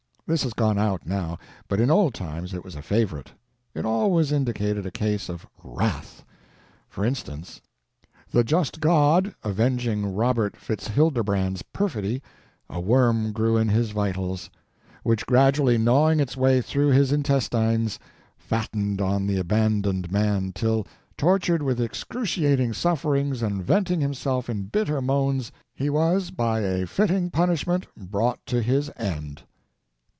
This has gone out, now, but in old times it was a favorite. It always indicated a case of "wrath." For instance: ... the just God avenging Robert Fitzhilderbrand's perfidy, a worm grew in his vitals, which gradually gnawing its way through his intestines fattened on the abandoned man till, tortured with excruciating sufferings and venting himself in bitter moans, he was by a fitting punishment brought to his end.